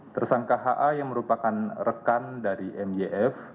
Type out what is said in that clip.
tersangka ha yang merupakan rekan dari myf